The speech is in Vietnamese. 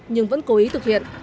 nhưng vẫn cố ý thực hiện